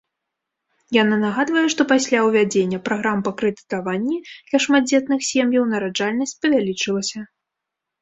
Яна нагадвае, што пасля ўвядзення праграм па крэдытаванні для шматдзетных сем'яў нараджальнасць павялічылася.